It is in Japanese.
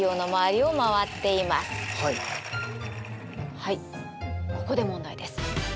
はいここで問題です。